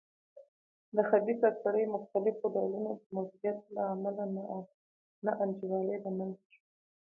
د خبیثه کړۍ مختلفو ډولونو د موجودیت له امله نا انډولي رامنځته شوه.